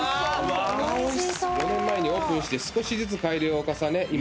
４年前にオープンして少しずつ改良を重ね